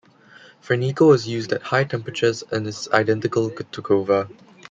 Fernico is used at high temperatures and is identical to Kovar.